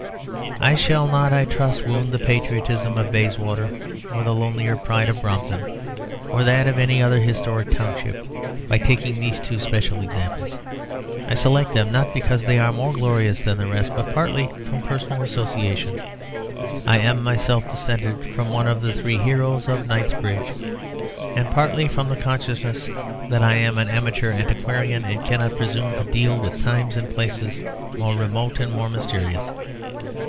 I shall not, I trust, wound the patriotism of Bayswater, or the lonelier pride of Brompton, or that of any other historic township, by taking these two special examples. I select them, not because they are more glorious than the rest, but partly from personal association (I am myself descended from one of the three heroes of Knightsbridge), and partly from the consciousness that I am an amateur antiquarian, and cannot presume to deal with times and places more remote and more mysterious.